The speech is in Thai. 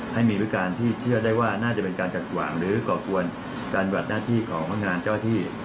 ให้มีหรือการที่เชื่อได้ว่าน่าจะเป็นการขัดขวางหรือก่อกวนการบัดหน้าที่ของพนักงานเจ้าที่